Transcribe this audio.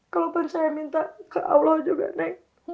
kalaupun saya minta ke allah juga nek